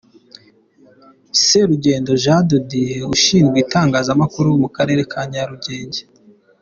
Serugendo Jean de Dieu Ushinzwe Itangazamakuru mu Karere ka Nyarugenge .